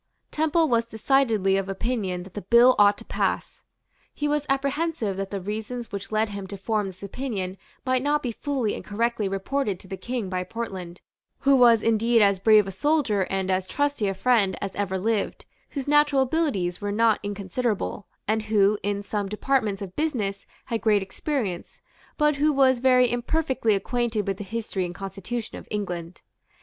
Temple was decidedly of opinion that the bill ought to pass. He was apprehensive that the reasons which led him to form this opinion might not be fully and correctly reported to the King by Portland, who was indeed as brave a soldier and as trusty a friend as ever lived, whose natural abilities were not inconsiderable, and who, in some departments of business, had great experience, but who was very imperfectly acquainted with the history and constitution of England.